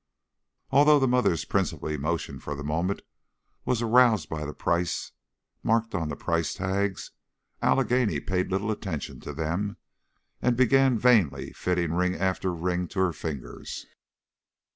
Although the mother's principal emotion for the moment was aroused by the price marks on the price tags, Allegheny paid little attention to them and began vainly fitting ring after ring to her fingers.